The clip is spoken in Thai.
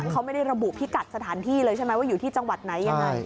เขาไม่ได้ระบุพิกัดสถานที่เลยใช่ไหมว่าอยู่ที่จังหวัดไหนยังไง